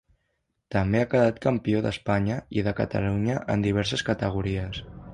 També ha quedat Campió d'Espanya i de Catalunya en diverses categories.